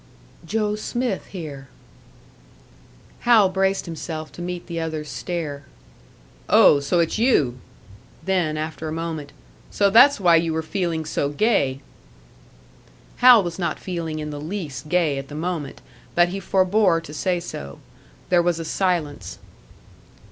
"Joe Smith, here." Hal braced himself to meet the other's stare. "Oh! So it's you!" Then, after a moment, "So that's why you were feeling so gay!" Hal was not feeling in the least gay at the moment; but he forebore to say so. There was a silence.